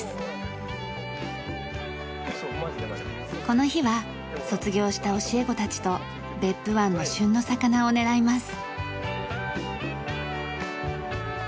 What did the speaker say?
この日は卒業した教え子たちと別府湾の旬の魚を狙います。